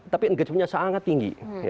tapi engagementnya sangat tinggi